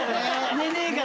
寝ねえから。